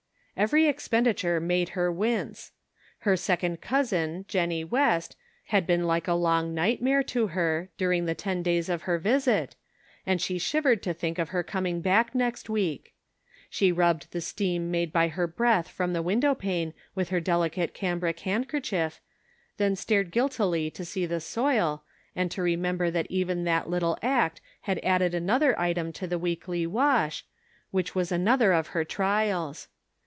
Every expenditure made her wince! Her second cousin Jennie West, had been like a long nightmare to her, during the ten days of her visit, and she shivered to think of her coming back next week. She rub bed the steam made by her breath from the window pane with her delicate cambric hand kerchief, then started guiltily to see the soil, and to remember that even that little act had added another item to the weekly wash, which was another of her trials.